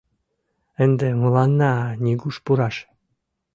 Ынде мыланна нигуш пураш.